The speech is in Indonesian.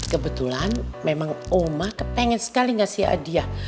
kebetulan memang oma kepengen sekali ngasih hadiah